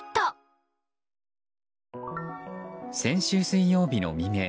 先週水曜日の未明